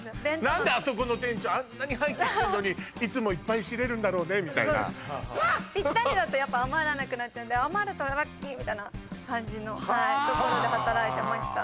何であそこの店長あんなに廃棄してんのにいつもいっぱい仕入れるんだろうねみたいなピッタリだとやっぱ余らなくなっちゃうんで余るとラッキーみたいな感じのところで働いてました